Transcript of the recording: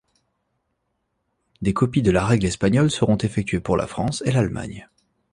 Des copies de la règle espagnole seront effectuées pour la France et l'Allemagne.